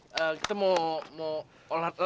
kita mau olahraga doang kok